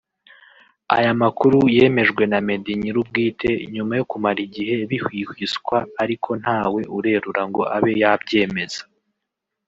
Aya makuru yemejwe na Meddy nyir'ubwite nyuma yo kumara igihe bihwihwiswa ariko ntawe urerura ngo abe yabyemeza